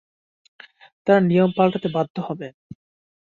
তারা নিয়ম পাল্টাতে বাধ্য হবে।